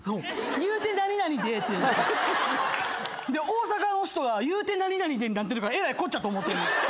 「いうて何々で」で大阪の人が「いうて何々で」になってるからえらいこっちゃと思うてんねん。